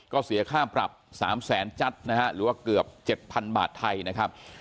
ก็เสียค่าปรับ๓แสนจัดนะฮะหรือว่าเกือบ๗๐๐บาทไทยนะครับ